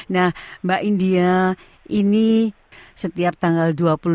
nah mbak india ini setiap tanggal dua puluh